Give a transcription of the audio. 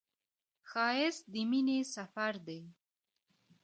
ښایست د مینې سفر دی